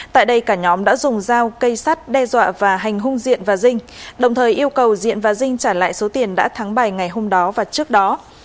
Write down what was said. tại đây cả nhóm đã dùng dao cây sắt đe dọa và hành hung diện và dinh đồng thời yêu cầu diện và dinh trả lại số tiền đã thắng bài ngày hôm đó và trước đó